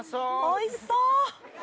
おいしそう！